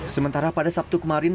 sementara pada sabtu kemarin